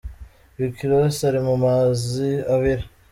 Rick Ross ari mu mazi abira.